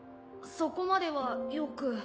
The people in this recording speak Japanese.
そこまではよく。